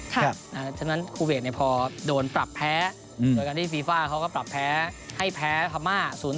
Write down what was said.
เพราะฉะนั้นคูเวทพอโดนปรับแพ้โดยการที่ฟีฟ่าเขาก็ปรับแพ้ให้แพ้พม่า๐๒